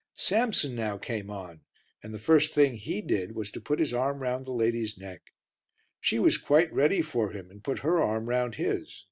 Samson now came on and the first thing he did was to put his arm round the lady's neck. She was quite ready for him and put her arm round his.